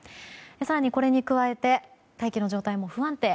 更にこれに加えて大気の状態も不安定。